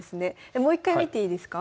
もう一回見ていいですか？